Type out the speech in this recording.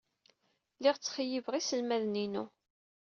Lliɣ ttxeyyibeɣ iselmaden-inu.